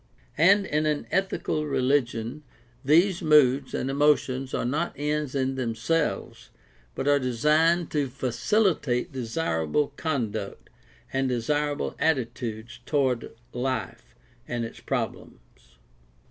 And in an ethical religion these moods and emotions are not ends in themselves but are designed to facilitate desirable conduct and desirable attitudes toward life and its problems.